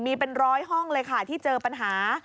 มีเป็นร้อยห้องเลยค่ะที่เจอปัญหา